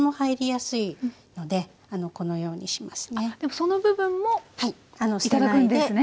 その部分も頂くんですね。